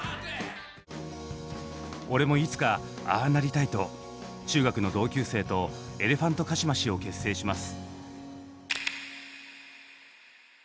俺もいつかああなりたいと中学の同級生とエレファントカシマシを結成します。